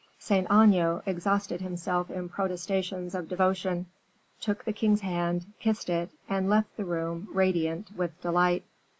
Saint Aignan exhausted himself in protestations of devotion, took the king's hand, kissed it, and left the room radiant with delight.